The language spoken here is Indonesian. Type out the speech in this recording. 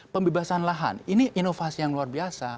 pembebasan lahan ini inovasi yang luar biasa